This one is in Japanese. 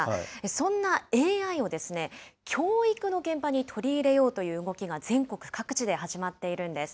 そんなＡＩを、教育の現場に取り入れようという動きが、全国各地で始まっているんです。